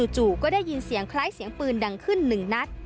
จู่ก็ได้ยินเสียงคล้ายเสียงปืนดังขึ้นหนึ่งนัด